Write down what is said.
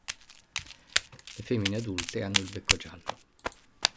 Le femmine adulte hanno il becco giallo.